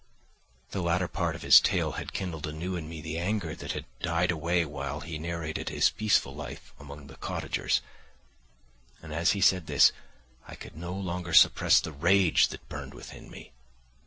The latter part of his tale had kindled anew in me the anger that had died away while he narrated his peaceful life among the cottagers, and as he said this I could no longer suppress the rage that burned within me.